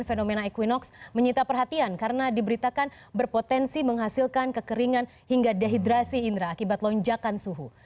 fenomena equinox menyita perhatian karena diberitakan berpotensi menghasilkan kekeringan hingga dehidrasi indra akibat lonjakan suhu